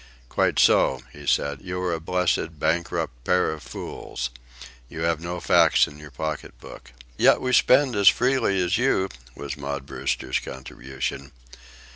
"Quite so," he said. "You are a blessed, bankrupt pair of fools. You have no facts in your pocketbook." "Yet we spend as freely as you," was Maud Brewster's contribution.